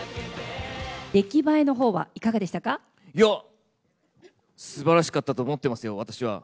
出来栄えのほうはいかがでしいや、すばらしかったと思ってますよ、私は。